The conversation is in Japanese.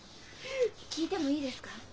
聞いてもいいですか？